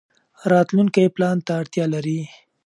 راتلونکی پلان ته اړتیا لري.